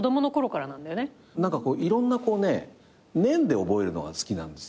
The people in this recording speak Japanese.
いろんなこうね年で覚えるのが好きなんですよね。